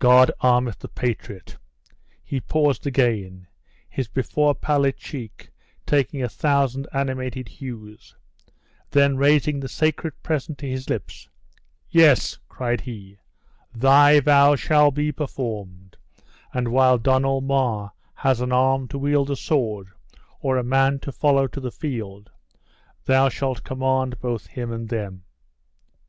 "'God armeth the patriot!'" He paused again, his before pallid cheek taking a thousand animated hues; then raising the sacred present to his lips, "Yes," cried he, "thy vow shall be performed; and while Donald Mar has an arm to wield a sword, or a man to follow to the field, thou shalt command both him and them!"